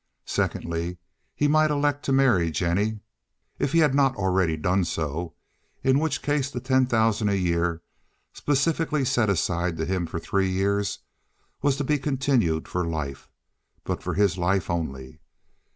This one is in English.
Secondly, he might elect to marry Jennie, if he had not already done so, in which case the ten thousand a year, specifically set aside to him for three years, was to be continued for life—but for his life only.